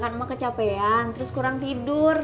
ya kan emang kecapean terus kurang tidur